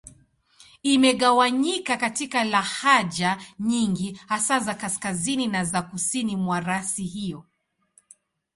Imegawanyika katika lahaja nyingi, hasa za Kaskazini na za Kusini mwa rasi hiyo.